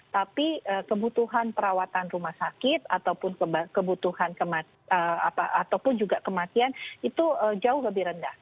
tapi kebutuhan perawatan rumah sakit ataupun kebutuhan ataupun juga kematian itu jauh lebih rendah